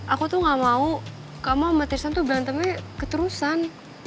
aku tuh gak mau kamu sama tirisan tuh berantemnya keterusan